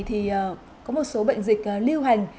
thì có một số bệnh dịch lưu hành